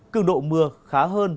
cường độ mưa khá hơn